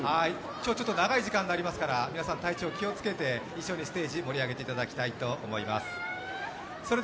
ちょっと長い時間になりますから皆さん体調に気をつけて一緒にステージ、盛り上げていただきたいと思います。